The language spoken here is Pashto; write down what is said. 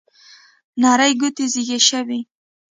نرۍ ګوتې زیږې شوې